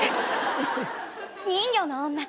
人魚の女